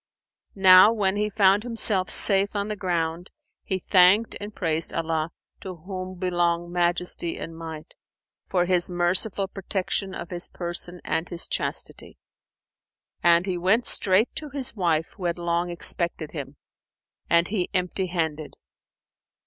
Now when he found himself safe on the ground, he thanked and praised Allah (to whom belong Majesty and Might!) for His merciful protection of his person and his chastity; and he went straight to his wife who had long expected him, and he empty handed.